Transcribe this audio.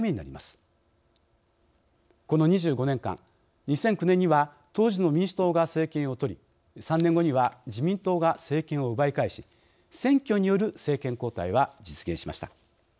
この２５年間２００９年には当時の民主党が政権を取り３年後には自民党が政権を奪い返し選挙による政権交代は実現しました。